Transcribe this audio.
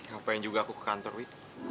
gak pengen juga aku ke kantor wi